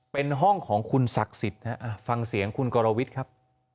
เป็นห้องของคุณศักดิ์สิทธิ์ฟังเสียงคุณกรวิทย์ครับ